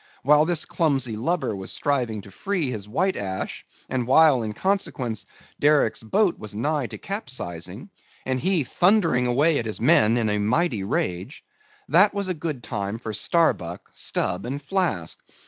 While this clumsy lubber was striving to free his white ash, and while, in consequence, Derick's boat was nigh to capsizing, and he thundering away at his men in a mighty rage;—that was a good time for Starbuck, Stubb, and Flask.